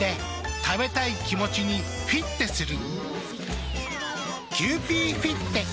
食べたい気持ちにフィッテする。